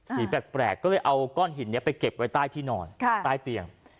แปลกก็เลยเอาก้อนหินนี้ไปเก็บไว้ใต้ที่นอนใต้เตียง